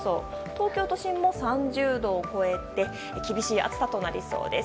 東京都心も３０度を超えて厳しい暑さとなりそうです。